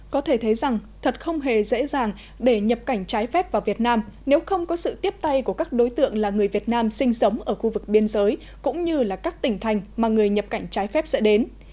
có thể thấy rằng thật không hề dễ dàng để nhập cảnh trái phép vào việt nam nếu không có sự tiếp tay của các đối tượng là người việt nam sinh sống ở khu vực biên giới cũng như là các tỉnh thành mà người nhập cảnh trái phép sẽ đến